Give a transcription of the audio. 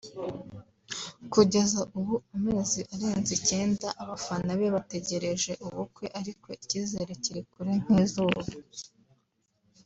Kugeza ubu amezi arenze icyenda abafana be bategereje ubukwe ariko icyizere kiri kure nk’izuba